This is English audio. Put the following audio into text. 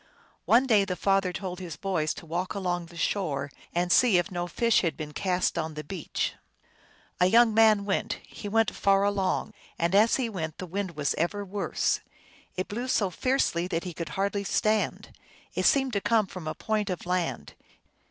One day the father told his boys to walk along the shore and see if no fish had been cast on the beach. A young man went ; he went far along ; and as he went the wind was ever worse ; it blew so fiercely 360 THE ALGONQUIN LEGENDS. that he could hardly stand. It seemed to come from a point of land.